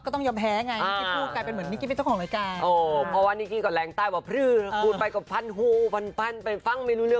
แต่ถ้าออกจากบ้านแล้วปูนเยอะ